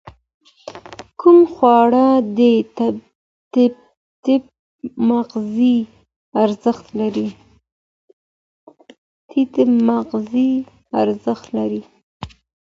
کوم خواړه د ټیټ مغذي ارزښت لري؟